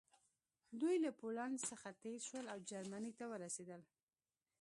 دوی له پولنډ څخه تېر شول او جرمني ته ورسېدل